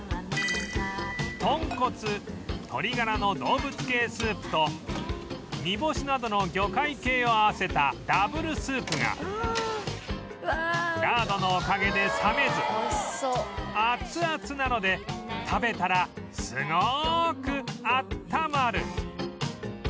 とんこつ鶏がらの動物系スープと煮干しなどの魚介系を合わせたダブルスープがラードのおかげで冷めず熱々なので食べたらすごーく温まる